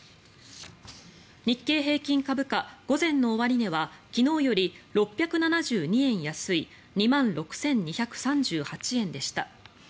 日経平均株価、午前の終値は昨日より６７２円安い２万６２３８円でした。